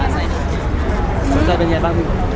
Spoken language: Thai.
สนใจเป็นไงบ้าง